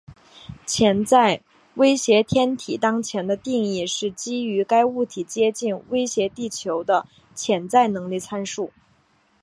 潜在威胁天体当前的定义是基于该物体接近威胁地球的潜在能力参数。